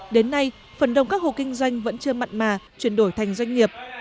đến nay phần đông các hộ kinh doanh vẫn chưa mặn mà chuyển đổi thành doanh nghiệp